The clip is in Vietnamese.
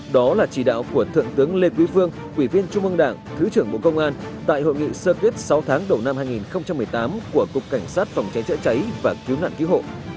đó là chỉ đạo của thượng tướng lê quý phương ủy viên trung ương đảng thứ trưởng bộ công an tại hội nghị sơ kết sáu tháng đầu năm hai nghìn một mươi tám của cục cảnh sát phòng cháy chữa cháy và cứu nạn cứu hộ